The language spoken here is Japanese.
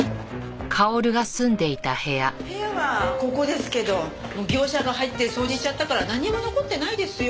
部屋はここですけど業者が入って掃除しちゃったからなんにも残ってないですよ。